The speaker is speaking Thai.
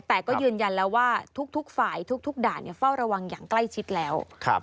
แต่ก็ยืนยันแล้วว่าทุกฝ่ายทุกด่านเฝ้าระวังอย่างใกล้ชิดแล้ว